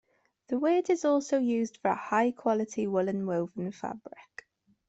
The word is also used for a high quality woolen woven fabric.